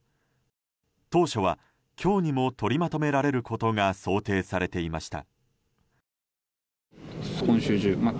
当初は、今日にも取りまとめられることが想定されていました。